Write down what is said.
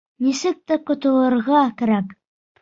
Нисек тә ҡотолорға кәрәк.